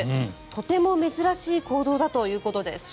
とても珍しい行動だということです。